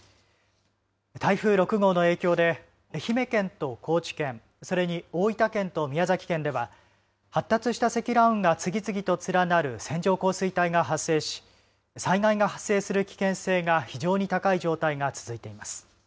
台風６号の影響で愛媛県と高知県それに大分県と宮崎県では発達した積乱雲が次々と連なる線状降水帯が発生し災害が発生する危険性が非常に高い状態が続いています。